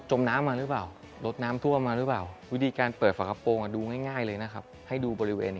ให้ดูบริเวณอย่างนี้